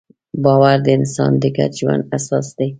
باور د انسان د ګډ ژوند اساس دی.